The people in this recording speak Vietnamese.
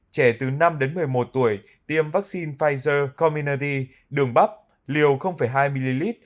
trẻ từ năm đến một mươi một tuổi tiêm vắc xin pfizer cov hai đường bắp liều hai ml